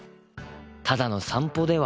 ただの散歩では？